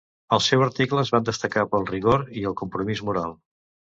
Els seus articles van destacar pel rigor i el compromís moral.